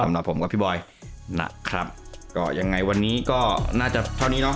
สำหรับผมกับพี่บอยนะครับก็ยังไงวันนี้ก็น่าจะเท่านี้เนาะ